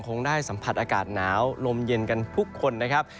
คงได้สัมผัสอากาศหนาวลมเย็นกันทุกคนนะครับ